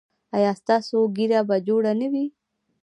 ایا ستاسو ږیره به جوړه نه وي؟